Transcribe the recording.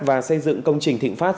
và xây dựng công trình thịnh phát